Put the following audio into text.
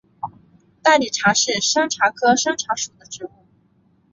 大理茶是山茶科山茶属的植物。